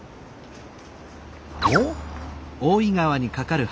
おっ。